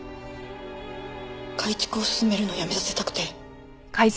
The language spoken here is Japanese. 改築を勧めるのやめさせたくて。